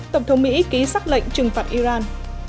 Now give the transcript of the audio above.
tổng thống mỹ ký xác lệnh trừng phạt iran